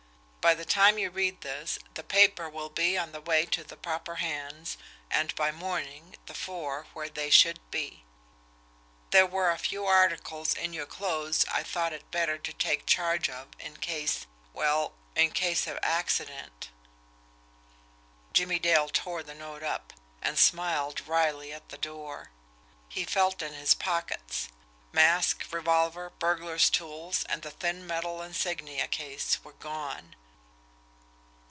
By the time you read this the paper will be on the way to the proper hands, and by morning the four where they should be. There were a few articles in your clothes I thought it better to take charge of in case well, in case of ACCIDENT." Jimmie Dale tore the note up, and smiled wryly at the door. He felt in his pockets. Mask, revolver, burglar's tools, and the thin metal insignia case were gone.